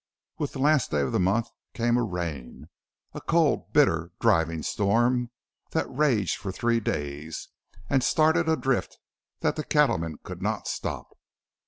With the last day of the month came a rain a cold, bitter, driving storm that raged for three days and started a drift that the cattlemen could not stop.